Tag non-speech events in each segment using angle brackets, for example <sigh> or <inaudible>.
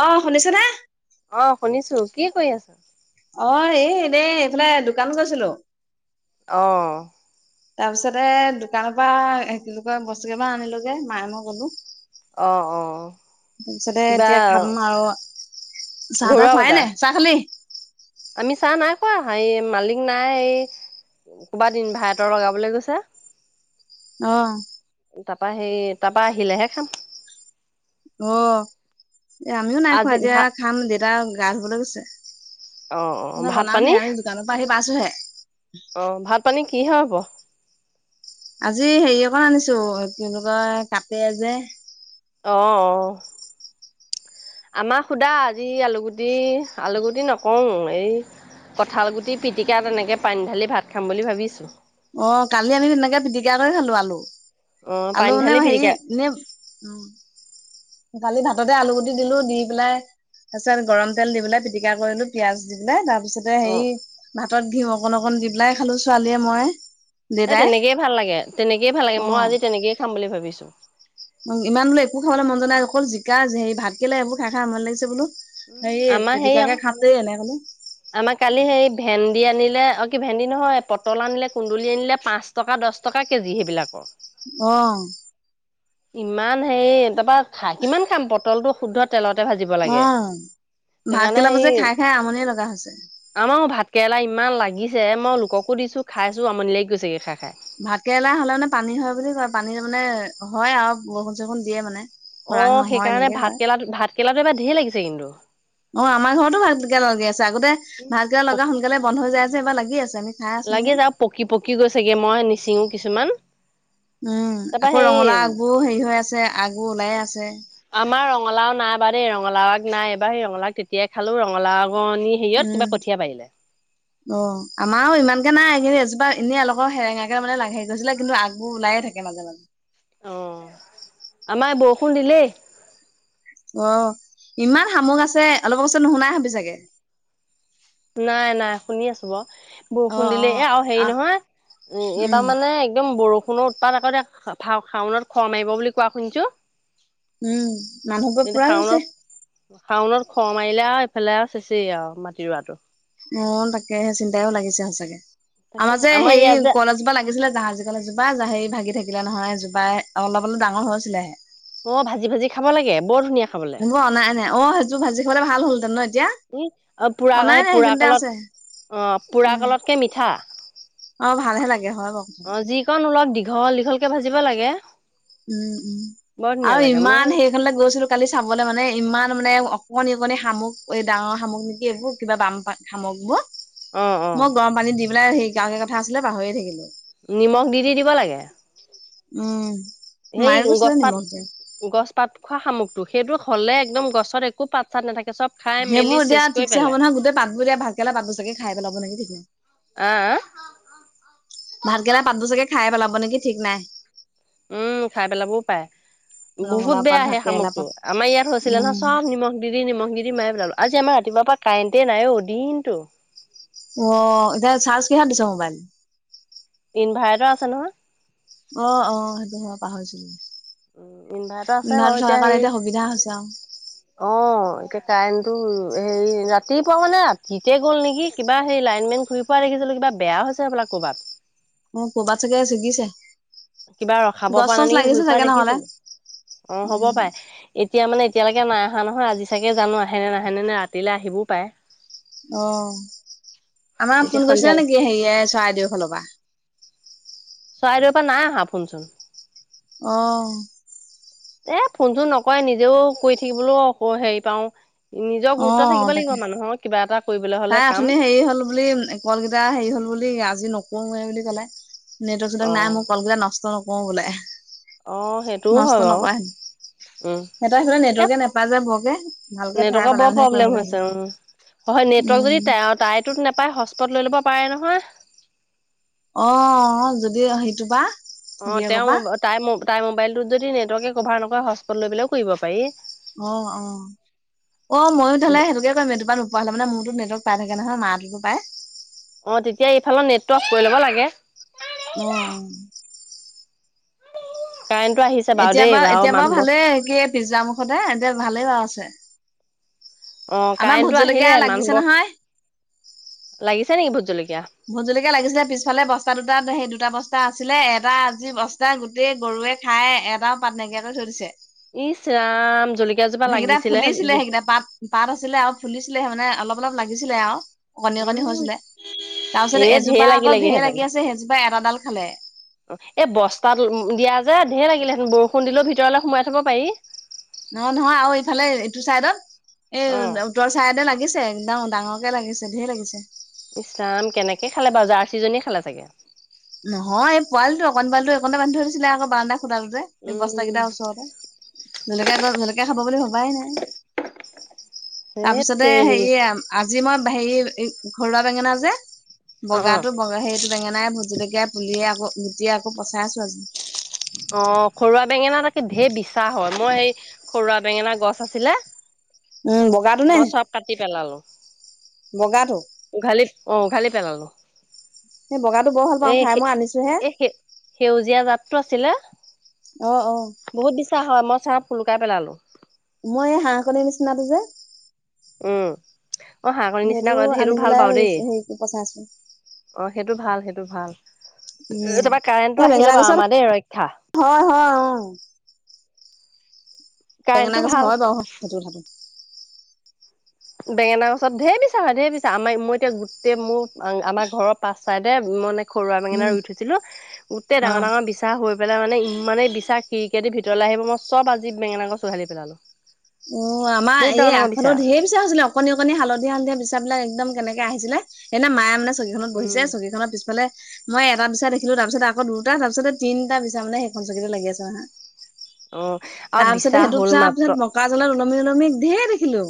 অ শুনিছ নে? অ শুনিছোঁ কি কৰি আছা? অ এই এনেই এইফালে দোকান গৈছিলো। অ তাৰপিছতে দোকানৰ পৰা কি বুলি কয় বস্তু কেইটামান আনিলোগে মায়ে মই গলো। অ অ তাৰপিছতে কিবা এতিয়া খাম আৰু। চাহ ঘৰুৱা তাহ খুৱাই বজাৰ নে চাহ খালি? আমি চাহ নাই খোৱা এই মালিক নাই এই ক'ৰবাত ইনভাৰ্টৰ লগাবলৈ গৈছে। অ তাৰপা সেই তাৰপৰা আহিলেহে খাম। অ এ আমিও নাই খোৱা আজি এতিয়া ভাত খাম দেউতা গা ধুবলৈ গৈছে অ অ ত ভাত বনামহে পানী আমি দু কামৰ পৰা আহি পাইছোহে। অ ভাত পানী কিহে হ'ব। আজি হেৰি অকণ আনিছো কি বুলি কয় কাটে যে অ অ আমাক সুদা আজি আলুগুটি আলুগুটি নকওঁ এই কঁঠালগুটি পিটিকা তেনেকৈ পানী ঢালি ভাত খাম বুলি ভাবিছোঁ। অ কালি আমি তেনেকে পিটিকা কৰি খালো আলু অ পানী আলু ঢালি মানে হেৰি পিটিকা এনে উম কালি ভাততে আলুগুটি দিলোঁ দি পেলাই। তাৰপিছত গৰম তেল দি পেলাই পিটিকা কৰিলোঁ পিয়াঁজ দি পেলাই তাত তাৰপিছতে অ হেৰি ভাতত ঘি অকন অকণ দি পেলাই খালো ছোৱালীয়ে মই এ দেউতাই তেনেকেইে ভাল লাগে তেনেকেইে ভাল লাগে অ মই আজি তেনেকেই খাম বুলি ভাবিছো। ইমান বোলো একো খাবলৈ মন যোৱা নাই অকল জিকা হেৰি ভাত কেৰেলা এইবোৰ খাই খাই আমনি লাগিছে বোলো। উম, হেৰি আমাৰ হেৰি আকৌ পিতিকাকে খাম দেই এনে হলে। আমাৰ কালি সৃই ভেন্দি আনিলে অ কি ভেন্দি নহয় পটল আনিলে কুন্দুলি আনিলে পাঁচ টকা দহ টকা কেজি সেইবিলাকৰ। অ' ইমান হেৰি তাৰাপা কিমান খাম পটলটো শুদ্ধত তেলতে ভাজিব অ লাগে সেইকাৰণে সেই হে আমনি লগা হৈছে। আমাৰ ভাত কেৰেলা ইমান লাগিছে মই লোককো দিছো খাইছো আমনি লাগি গৈছেগে খাই খাই। ভাতকেৰেলা হ'লে মানে পানী হয় বুলি কয় পানী মানে হয় আৰু বৰষুণ চৰষুণ দিয়ে মানে। অ খৰাং নহয় সেইকাৰণে এনেকে কয় ভাত কেৰেলা ভাত কেৰেলাটো এবাৰ ঢেৰ লাগিছে কিন্তু। অ আমাৰ ঘৰতো ভাতকেৰেলা লাগি আছে আগতে ভাতকেৰেলা লগা সোনকালে বন্ধ হৈ যাই যে এইবাৰ লাগি আছে। আমি খাই আছো লাগে নহয় যা পকি পকি গৈচেগে মই নিচিঙো কিছুমান। উম তাৰপা আকৌ সেই ৰঙালাও আগবোৰ হেৰি হৈ আছে আগবোৰ ওলাইে আছে। আমাৰ ৰঙালাও নাই বা দেই ৰঙালাও আগ নাই এবাৰ সেই ৰঙালাও তেতিয়াই খালো ৰঙালাও আগনি হেৰিয়ত উম কিবা কঠীয়া পাৰিলে। অ আমাৰো ইমানকে নাই কিন্তু এজোপা এনেই এলোকৰ সেৰেঙাকে লাগি গৈছিলে কিন্তু আগবোৰ ওলাইে থাকে। কে মাজে মাজে অ আমাৰ বৰষুণ দিলেই। অ ইমান শামুক আছে অলপ ওচৰত নুশুনাই হবি চাগে। নাই নাই শুনি আছো বাৰু। অ বৰষুণ অ দিলে এই আৰু হেৰি আহ নহয় উম এইবাৰ মানে একদম বৰষুণত তাত আগতে শাওনত খৰ মাৰিব বুলি কোৱা শুনিছোঁ। উম মানুহবোৰ পুৰা শাওনত ৰুইছে। শাওনত খৰ মাৰিলে আৰু এইফালে আৰু শেষেই আৰু মাটি ৰোৱাটো। অ তাকেহে চিন্তাইও লাগিছে সচাকৈ তাকে আমাৰ হে ইয়াত হেৰি যে কল এজোপা লাগিছিল জাহাজী কল ভাগি থাকিলে নহয় জোবাই অলপ অলপ ডাঙৰ হৈছিলেহে। অ ভাজি ভাজি খাব লাগে বৰ ধুনীয়া খাবলৈ। অ নাই নাই অ সেইবোৰ ভাজি খাব ভাল হ'লহতেন ন এতিয়া। অ অনাই নাই পুৰা সেইখিনিতে আছে উম কলত কৈ মিঠা। অ ভালহে লাগে হয় বাৰু। কথাটো। অ যিকণ অলপ দীঘল দীঘলকে ভাজিব লাগে। উম উম বৰ ধুনীয়া আৰু লাগে মই ইমান সে এখনৈ গৈছিলো কালি চাবলৈ মানে ইমান মানে অকণি অকণি শামুক এই ডাঙৰ শামুক নেকি এইবোৰ কিবা বাম পাম শামুকবোৰ অ অ মই গৰম পানী দি পেলাই হেৰি গাৱকে কথা আছিলে পাহৰিয়ে থাকিলো। নিমখ দি দি দিব লাগে। উম মায়ে কৈছিল নিমখ দিয়ে। গছ পাত খোৱা শামুকটো সেইটো হলে একদম গছত একো পাত চাত নাথাকে চব খাই মেলি সেইবোৰ এতিয়া চেচ কৰি ঠিকছে হব পেলাই নহয়, গোতে পাত বোৰ এতিয়া ভাতকেৰেলা ভালে পাতবোৰ চাগে খাই পেলাব নেকি। আহ ভাত কেৰেলা পাতবোৰ ছাগে খাই পেলাব নেকি ঠিক নাই। উম খাই পেলাবও পায়। বহুত ৰঙালাও পাত বেয়া হেই ভাতকেৰেলা শামুকটো পাত আমাৰ ইয়াত হৈছিলে নহয় উম চব নিমখ দি দি নিমখ দি দি মাৰি পেলালো আজি আমাৰ ৰাতিপুৱাৰ পৰা কাৰেণ্টে নাই অ দিনটো অ এতিয়া চাৰ্জ কিহত দিছ মোবাইল? ইনভাৰেৰ্টৰ আছে নহয়। অ অ সেইটো মই পাহৰিছো। উ আছে ইনভাৰ্টাৰ থকাৰ কাৰণে এতিয়া সুবিধা হৈছে আও। অঁ এতিয়া কাৰেণ্টটো হেৰি ৰাতিপুৱা মানে ৰাতিতে গ'ল নেকি কিবা হেৰি লাইন মেন ঘূৰি ফুৰা দেখিছিলোঁ কিবা বেয়া হৈছে হবলা ক'ৰবাত। অঁ কৰবাত চাগে চিঙিছে। কিবা ৰখাব পৰা নাই নেকি, ঘূৰি ফুৰা চাগে নহলে দেখিছিলো অ হ'ব উম পাই। এতিয়া মানে এতিয়ালেকে নাই আহা নহয়, আজি চাগে জানো আহেনে নাহেনে নে ৰাতিলে আহিবও পাৰে। অঁ, আমাৰ এতিয়া ফোন সন্ধিয়া কৰিছিলে নেকি হেৰিয় চৰাইদেউ ফালৰ পৰা? চৰাইদউৰ পৰা নাই আহা ফোন চোন। অঁ। এ ফোন চোন নকৰে নিজেও কৰি থাকিবলৈও আকৌ হেৰি পাওঁ। নিজৰ অ গুৰুত্ব থাকিব তাকে লাগিব মানুহৰ কিবা এটা কৰিবলে হ তাই অঠোনি হেৰি হল বুলি কল কেইটা হেৰি হ'ল বুলি আজি নকৰোৱে বুলি ক'লে, নেটৱৰ্ক চেটৰ্ক অ নাই মোৰ কল কেইটা নষ্ট ন নকৰোঁ বোলে। অঁ সেইটোও নষ্ট হয় বাৰু। নকৰা হেনো উম সিহঁতৰ সিফালে এ নেটৱৰ্কে নাপায় যে বৰকে ভালকে নেটৱৰ্কৰ ঠাই বৰ পালে মানেহে প্ৰব্লেম কৰিম হৈছে বুলি <inaudible> উম হয় নেটৱৰ্ক যদি উম তাইটোত নেপায় হস্পত লৈ ল'ব পাৰে নহয়। অঁ যদি সেইটো পা। অঁ গিৰিয়েকৰ তেওঁৰ পা ম তাই তাই মোবাইলটোত যদি নেটৱৰ্কে কভাৰ নকৰে হস্পত লৈ পেলাইও কৰিব পাৰি। অঁ অঁ। অ ময়ো তেতিয়া হলে সেইটোকে কৰিম, এইটো পা নোপোৱা হলে মানে মূৰটোত নেটৱৰ্ক পাই থাকে নহয় মাটোতো পাই। অ তেতিয়া এইফালৰ নেটটো অফ কৰি ল'ব লাগে। অঁ। কাৰেণ্টটো আহিছে এতিয়া দেই বাৰু এতিয়া বাৰু মানুহবোৰ। ভালেই সে কি পিজ্জা মুখতে এতিয়া ভালেই বাৰু আছে। অ আমাৰ কাৰেণ্টটো ভূত আহিলে জলকীয়া লাগিছে মানুহবোৰ নহয়। লাগিছে নেকি ভূত জলকীয়া? ভূত জলকীয়া লাগিছিলে পিছফালে বস্তা দুটাত সেই দুটা বস্তা আছিলে এটা আজি বস্তা গোট গোতেই গৰুৱে খায় এটাও পাত নাইকিয়া কৰি থৈ দিছে। ইছ ৰাম জলকি সেইকেইটা ফুলিছিলে সেইকেইটা পাত পাত আছিলে আও ফুলিছিলে মানে অলপ অলপ লাগিছিলে আও। অকণী অকণী উম হৈছিলে, তাৰপিছত এ ঢেৰ এজোপা অকল ধেই লাগিলেগেহেঁতেন। লাগি আছে সেইজোপা এটাডাল খালে। অ এই বস্তাত দিয়া যে ধেৰ লাগিলে হেঁতেন বৰষুণ দিলেও ভিতৰলে সোমাই থব পাৰি। নহ নহয় আৰু এইফালে এইটো চাইডত, এই অ ভিতৰ চাইডে লাগিছে একদম ডাঙৰকে লাগিছে ধেই লাগিছে। ইছ ৰাম কেনেকে খালে বাৰু! জাৰ্ছী জনীয়ে খালে চাগে। নহয় এই পোৱালটো অকণ পোৱালীটো একনতে বান্ধি থৈ দিছিলে আকৌ, বাৰা্ন্দা খোতাটোতে। এ উম। বস্তাকেইটাৰ ওচৰতে, জলকীয়া গছ জলকীয়া খাব বুলি ভবাই নাই। ধেত তাৰপিছতে তেৰি হেৰি আজি মই হেৰি ঘৰুৱা বেঙেনা যে অ বগাটো অ বগা সেইটো বেঙেনাই ভূত জলকীয়া কীয়া পুলিয়ে আকৌ গুটি আকৌ পচাইছো আজি। অঁ ঘৰুৱা বেঙেনা তাকে দেই বিছা হয় মই এই ঘৰুৱা বেঙেনা গছ আছিলে উম বগাটো নে মই চ'ব কাটি পেলালোঁ। বগাটো উঘালি অ' উঘালি পেলালোঁ। সেই বগাটো বৰ ভাল পাওঁ এই খাই মই আনিছোহে। এই সে সেউজীয়া জাত টো আছিলে অ', অ'। বহুত বিছা‌ হয়, মই চ'ব‌ সোলোকাই পেলালোঁ। মই এই হাঁহ কণীৰ নিচিনাটো যে উম, অ' হাঁহ কণীৰ নিচিনা কৰা সেইটো আনি ভাল পেলাই পাওঁ দেই। হেৰি পচাইছো। অ' সেইটো ভাল, সেইটো ভাল। উম। তাৰপা এই কাৰেণ্টটো বেঙেনা আহিলে বাৰু গছত আমাৰ দেই ৰৈক্ষা। হয়, হয় উম। বেঙেনা কাৰেণ্টটো গছত ভাল হয় বাৰু সেইটো কথাটো। বেঙেনা গচত ঢেৰ বিচা‌ হয়, ঢেৰ বিচাৰ আমাৰ মই এতিয়া গোটেই মোৰ আমাৰ ঘৰৰ পাঁচ ছাইদে মানে ঘৰুৱা বেঙেনা উম, ৰুই থৈছিলোঁ গোটেই ডাঙৰ অ'। ডাঙৰ বিছা বিছা হৈ পেলাই মানে ইমানেই বিচা, খিড়িকীৰে দি ভিতৰলৈ আহিব মই চ'ব আজি বেঙেনা গছ উঘালি পেলালোঁ। অ' আমাৰ ধেই আগফালেও ধেইৰ বিছা হৈছিল, অকণনি অকণনি হালধীয়া হালধিয়া বিছা বিলাক একম কেনেক আহিছিলে। সেইয়ে মায়ে মানে‌ চকিখনত উম, বহিছে চকী খনৰ পিছফালে মই এটা বিচা দেখিলোঁ। তাৰপিছত আকৌ দুটা তাৰ পিছত তিনিটা বিচা মানে সেইখন চকিতে লাগি আছে নহয়। অ আৰু তাৰ বিচা পিছতে সেইটোৰ হ'ল পিছত মাত্ৰ মকা জ্বলত ওলমি ওলমি ঢেৰ দেখিলোঁ।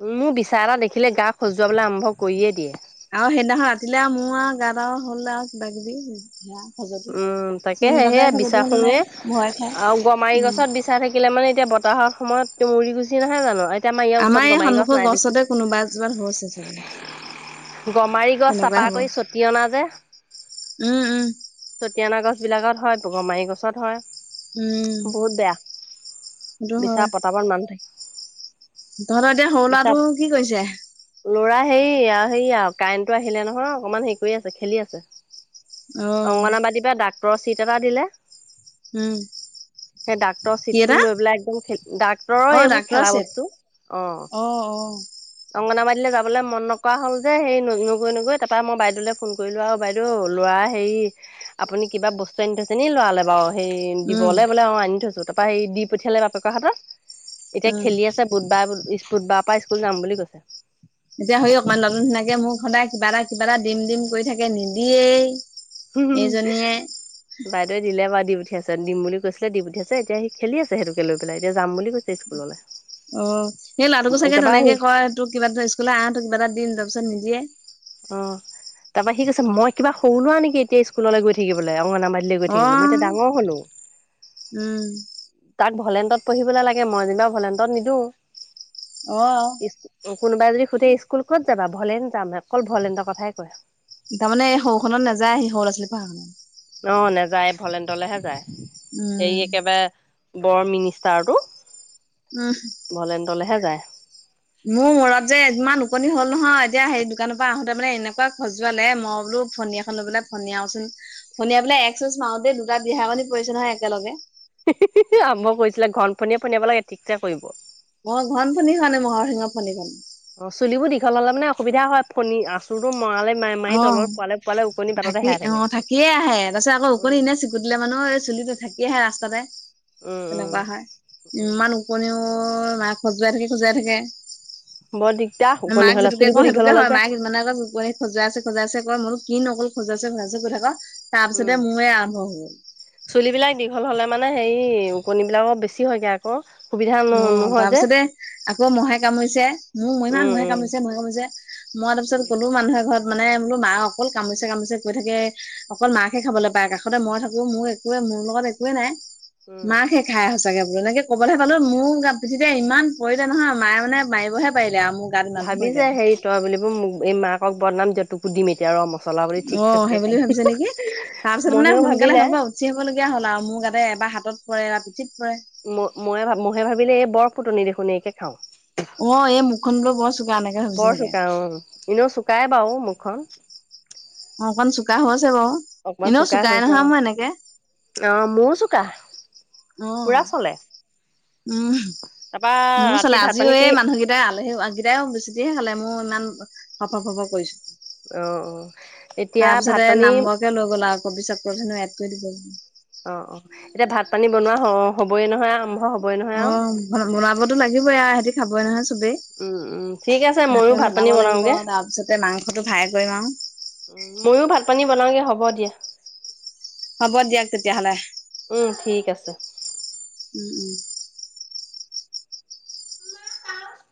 উম, মোৰ বিচাৰ এটা দেখিলে গা খজুৱাবলৈ আৰম্ভ কৰিয়ে দিয়ে। আৰু সেইদিনাখন ৰাতিলে আৰু মোৰ আৰু গাত আৰু হ'ল আৰু কিবা কিবি। খজুৱতি। উম, তাকে সেয়হে চিন্তাতে খজুৱতি হ'ল নে বিশছাখুঙে ভয় খাই আৰু গমাৰি উম। গছত বিছা বিচা থাকিলে মানে এতিয়া বতাহৰ সময়ত উৰি গুিছি নাহে জানো এতিয়া আমাৰ ইয়াৰ ওচৰত এই গমাৰি গছ সন্মুখৰ নাই দেখি। গছতে কোনোবা এজোপাত হৈছে চাগে গমাৰি গছ তেনেকুৱাই তাৰপা হ'ব। ছটি অনা যে উম, উম। চতিয়না গছ বিলাকত হয় গমাৰি গছত হয়। উম বহুত বেয়া সেইটো হয় বিচৰা পতাবত মানুহ থাকে তহঁতৰ এতিয়া সৰু বিচা ল'ৰাটো কি কৰিছে? ল'ৰা হেৰি আৰু হেৰি আৰু কাৰেণ্টটো আহিলে নহয়। অকমান হেৰি কৰি আছে খেলি আছে। অ অংগনাবাদীৰ পৰা ডাক্তৰৰ চিট এটা দিলে। উম। সেই ডাক্তৰৰ কি চিটতটো এটা লৈ পেলাই একদম, ডাক্তৰৰ অ এইবোৰ ডাক্তৰৰ খেলা চিট বস্তু। অ' অ' অ'। অংগনাবাদীলৈ যাবলৈ মন নকৰা হ'ল যে, সেই নগৈ-নগৈ, তাৰপৰা মই বাইদেউলে ফোন কৰিলোঁ আৰু বাইদেউ টোৰ ল'ৰাই হেৰি আপুনি কিবা বস্তু আনি থৈছে নি লৰালে বাৰু, সেই উম দিবলৈ বোলে, অ', আনি থৈছোঁ। তাৰপাৰ সেই দি পঠিয়ালে বাপেকৰ হাতত, এতিয়া উম। খেলি আছে। বুধবাৰ স্কুল বুধবাৰ পৰা স্কুল যাম বুলি কৈছে। এতিয়া হেই অকমান নতুন সিনাকে, মোক সদায় কিবা এটা কিবা এটা দিম দিম কৰি থাকে, নিদিয়েই। উম। এইজনীয়ে বাইদেউ দিলে বাৰ দি পঠিয়াইছে। দিম বুলি কৈছিলে, দি পঠিয়াইছে। এতিয়া সি খেলি আছে, সেইতোকে লৈ পেলাই। এতিয়া যাম বুলি কৈছে স্কুল ল'লে। অ' সেই ল'ৰাটোকো চাগে তেনেকে কয়, তোক কিবা এটা স্কুললৈ আহ, তোক কিবা এটা দিম, তাৰপিছত নিদিয়ে। অ' তাৰপৰা সি কৈছে, মই কিবা সৰু লোৱা নেকি এতিয়া স্কুললৈ গৈ থাকিবলৈ, অংগনাবাড়ি লৈ গৈ অ থাকিবলৈ। মই এতিয়া ডাঙৰ হলোঁ। উম তাক ভলেণ্টত পঢ়িবলে লাগে। মই যেনিবা ভলেণ্টত নিদিওঁ। অ' কোনোবাই যদি সুধে, স্কুল ক'ত যাবা? ভলেন্ত যাম, অকল ভলেণ্টৰ কথাই কয়। তাৰমানে, এই সৰু খনত নাযায়, এই সৰু লৰা-ছোৱালী পঢ়া খনত। অঁ', নেযায়, ভলেণ্টলৈহে যায়। হেৰি উম একেবাৰে বৰ মিনিষ্টাৰটো। উমহ ভলেণ্টলেহে যায়। মোৰ মূৰত যে, ইমান কণনি হ'ল নহয়। এতিয়া সেই দোকানৰ পৰা আহোতে মানে, এনেকুৱা খজুৱালে, মই বোলো ফনী এ ফণী এখন লৈ পেলাই ফণীয়াও চুন। ফণিয়াই পেলাই এক চুচ মাৰোটেই, দুটা বিহা ওকণি পৰিছে নহয়, একেলগে। <unintelligible> আৰম্ভ কৰিছিলে, ঘন ফনীয়ে ফণীয়াব লাগে, ঠিকচে পৰিব। মই ঘন ফনী খনে, মহৰ শিঙৰ ফনী খন অ', চুলিবোৰ দীঘল হ'লে মানে, অসুবিধা হয়। ফণী আচুৰতটো মৰালেই, মা অঁ থাকি, অঁ, থাকিয়ে আহে। তাৰপিছত আকৌ, ওকনি উম এনে চ ধুই দিলে মনুহৰ, এই চুলিটো থাকিয়ে আহে ৰাস্তাতে, উম উম তেনেকুৱা হয়। উম ইমান ওকণিও ই‌ মা খজুৱাই থাকে, খজুৱাই থাকে। বৰ দিগ মাক যিটোকে কওঁ, সেইটোকে হয়। মাক ইমানে আকৌ কু খজোৱাইছে-খজোৱাইছে কয়, মইনো কিনো অক'ল খজুৱাইছে-খজোৱাইছে কৈ থাক', তাৰ পিছতে মোৰ আৰম্ভ হৈ গ'ল। চুলি বিলাক দীঘল হ'লে মানে হেৰি, ওকণিবিলাক, অলপ বেছি হয়গে আক' অঁ, তাৰ পিছতে, আকৌ মহে কামুৰিছে, মোৰ ইমান উম মহে উম কামুৰিছে, মহে কামুৰিছে মই, তাৰপিছত উম গ'লো মানুহ এঘৰত মানে, বোলো মাক অকল কামুৰিচে-কামুৰিচে কৰি থাকে। অকল মাকহে খাবলৈ পায়। কাষতে মই থাকো, মোৰ একোৱে, মোৰ লগত একোৱে নাই। উম। মাকহে খাই সঁচাগে বোলো, এনেকে ক'বলে পালো, মোৰ পিঠিতে ইমান পৰিলে নহয়, মায়ে মানে, মাৰিবহে পাৰিলে আও মোক। ভাবিছে, হেৰি তই বুলি মোক, এই মাকক বদনাম দিয়া তোকো দিম, এ এতিয়া ৰ' মচলা বুলি অ ঠিক সেই চে বুলি খাইদো ভাবিছে <unintelligible> মইহেও ভাবিলে গুচি আহিব লগীয়া হ'ল আও, মোৰ গাতে এবাৰ হাতত পৰে, এবাৰ পিঠিত পৰে। ম-মই, ম'হে ভাবিলে, এই বৰ ফুটনি দেখোন, এইকে খাওঁ। অঁ, এই মুখখন বুলো বৰ চোকা, এনেকে হৈ গৈছে চাগে। অঁ। এনেও চুকাই বাও মুখখন। অ', অকন চুকা হৈছে বাও, এনেও চোকাই নহয় মই এনেকে অঁ, মোৰ চুকা অঁ, তাৰপা উম। মোৰ ৰাতি চলে ভাত আজিও পানী কি এই মানুহকেইটা তে আলহী সেকেইটাই বেছিকেহে খালে মোৰ ইমান ফৰ ফৰ কৰিছে। অ' অ' এতিয়া ভাত পানী কে লৈ গ'ল আক' পিছত পৰহিনো এড কৰি দিব অঁ অঁ, এতিয়া ভাত পানী বনোৱা হঁ হ'বই নহয় আৰম্ভ হ'ব। ওম বনাবতো লাগিবই আ সিহতি খাবই নহয় চবেই। উম, উম, ঠিক আছে ভাত ময়ো খিনি পানী বনাব লাগিব বনাওঁগে আও, তাৰ পিছতে মাংসটো ফ্ৰাই কৰিম আও ময়ো ভাত পানী বনাওঁগে হ'ব দিয়া। হ'ব দিয়ক তেতিয়াহ'লে। উম ঠিক আছে। উম উম <unintelligible>